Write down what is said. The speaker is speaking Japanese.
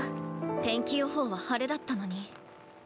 天気予報は晴れだったのに。